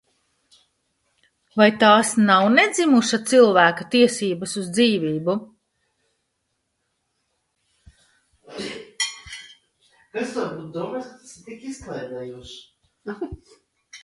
Vai tās nav nedzimuša cilvēka tiesības uz dzīvību?